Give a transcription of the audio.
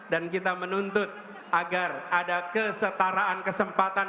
dan kita menuntut agar ada kesetaraan kesempatan